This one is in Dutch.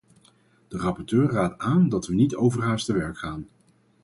De rapporteur raadt aan dat we niet overhaast te werk gaan.